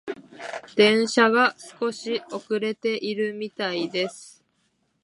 電車が少し遅れているみたいです。